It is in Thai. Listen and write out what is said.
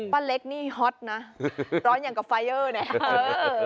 ป้าเล็กนี่ฮอตนะร้อนอย่างกับไฟเยอร์เนี่ย